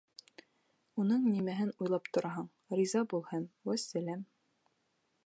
Уның нимәһен уйлап тораһың, риза бул һәм вәссәләм.